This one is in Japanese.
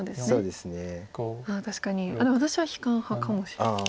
でも私は悲観派かもしれない。